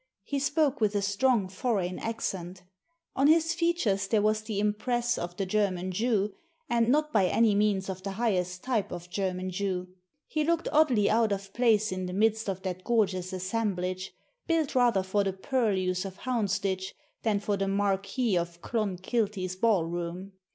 He spoke with a strong foreign accent On his features there was the impress of the German Jew, and not by any means of the highest type of German Jew. He looked oddly out of place in the midst of that gorgeous assemblage, built rather for the purlieus of Hounds ditch than for the Marquis of Clonkilty's ballroom.